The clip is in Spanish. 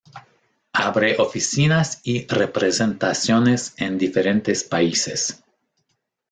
Abre oficinas y representaciones en diferentes países.